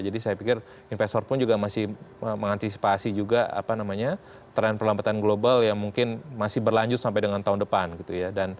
jadi saya pikir investor pun juga masih mengantisipasi juga apa namanya tren perlambatan global ya mungkin masih berlanjut sampai dengan tahun depan gitu ya